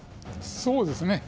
そうですね。